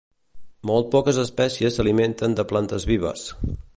Molt poques espècies s'alimenten de plantes vives.